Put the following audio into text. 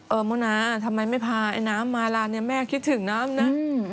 โมนาทำไมไม่พาไอ้น้ำมาลานเนี่ยแม่คิดถึงน้ำนะ